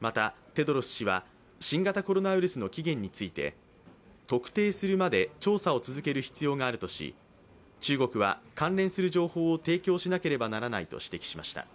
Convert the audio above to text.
また、テドロス氏は新型コロナウイルスの起源について、特定するまで調査を続ける必要があるとし中国は関連する情報を提供しなければならないとしました。